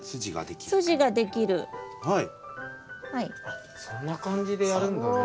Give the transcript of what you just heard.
あっそんな感じでやるんだね。